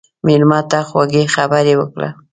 مېلمه ته خوږې خبرې وکړه.